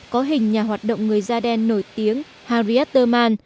có hình nhà hoạt động người da đen nổi tiếng harriet thurman